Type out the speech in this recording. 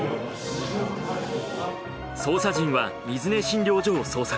捜査陣は水根診療所を捜索。